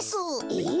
えっ？